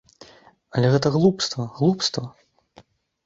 Але гэта глупства, глупства!